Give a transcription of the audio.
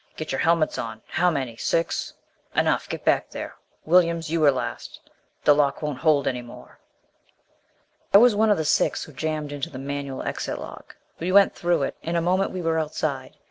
"Get your helmets on! How many? Six. Enough get back there, Williams you were last. The lock won't hold any more." I was one of the six who jammed into the manual exit lock. We went through it; in a moment we were outside.